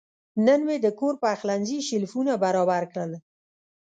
نن مې د کور پخلنځي شیلفونه برابر کړل.